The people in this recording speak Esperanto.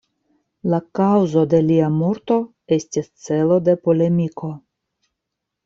La kaŭzo de lia morto estis celo de polemiko.